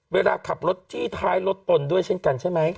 เวลาขับรถจี้ท้ายรถตนด้วยเช่นกันใช่ไหม